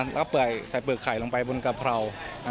แล้วก็ใส่เปลือกไข่ลงไปบนกะเพรา